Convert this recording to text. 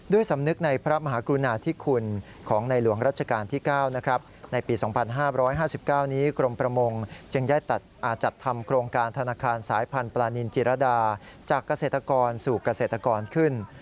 สำนึกในพระมหากรุณาธิคุณของในหลวงรัชกาลที่๙ในปี๒๕๕๙นี้กรมประมงจึงได้จัดทำโครงการธนาคารสายพันธุปลานินจิรดาจากเกษตรกรสู่เกษตรกรขึ้น